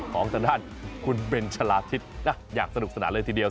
ของทางด้านคุณเบนชะลาทิศอย่างสนุกสนานเลยทีเดียว